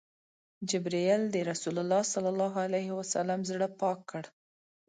جبرئیل د رسول الله ﷺ زړه پاک کړ.